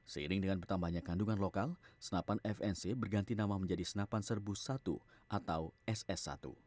seiring dengan bertambahnya kandungan lokal senapan fnc berganti nama menjadi senapan serbu satu atau ss satu